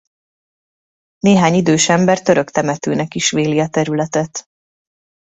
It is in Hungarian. Néhány idős ember török temetőnek is véli a területet.